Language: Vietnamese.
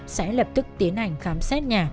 sẽ lập tức tiến hành khám xét nhà